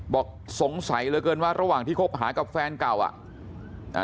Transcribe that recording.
บอกสงสัยเหลือเกินว่าระหว่างที่คบหากับแฟนเก่าอ่ะอ่า